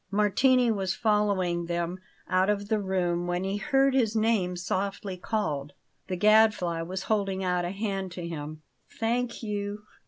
Martini was following them out of the room when he heard his name softly called. The Gadfly was holding out a hand to him. "Thank you!"